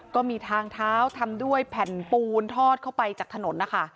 ก็มีทางเท้าทำด้วยแผ่นปูนทอดเข้าไปจากถนนนะคะ